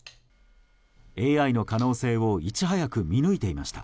ＡＩの可能性をいち早く見抜いていました。